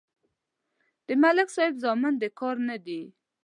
د ملک صاحب زامن د کار نه دي.